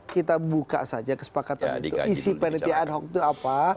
kita buka saja kesepakatan itu isi panitia ad hoc itu apa